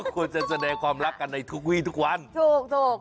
ควรจะแสดงความรักกันในทุกวีทุกวันถูกถูก